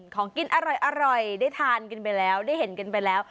ของกินอร่อยได้ทานกันไปแล้วได้เห็นกันไปแล้ว